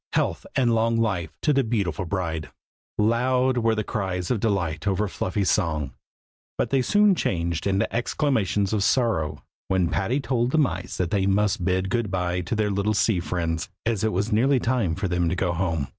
Health and long life to the beautiful bride! Loud were the cries of delight over Fluffy's song; but they soon changed into exclamations of sorrow, when Patty told the mice that they must bid good bye to their little sea friends, as it was nearly time for them to go home.